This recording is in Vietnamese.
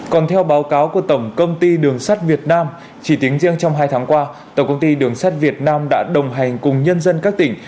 còn theo báo cáo của tổng công ty đường sắt việt nam chỉ tính riêng trong hai tháng qua tổng công ty đường sắt việt nam đã đồng hành cùng nhân dân các tỉnh